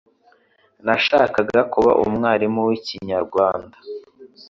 Nashakaga kuba umwarimu wikinyarwanda.